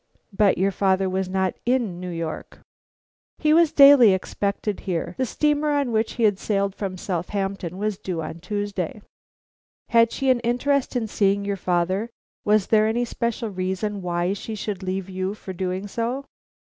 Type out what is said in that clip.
"But your father was not in New York?" "He was daily expected here. The steamer on which he had sailed from Southampton was due on Tuesday." "Had she an interest in seeing your father? Was there any special reason why she should leave you for doing so?"